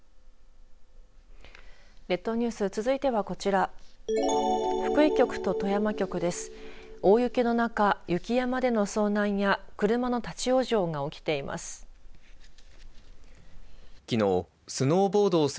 列島ニュース続いてはこちら福井局と富山局です。